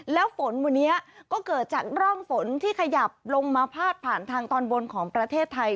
แล้วฝนวันนี้ก็เกิดจากร่องฝนที่ขยับลงมาพาดผ่านทางตอนบนของประเทศไทย